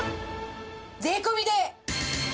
税込で。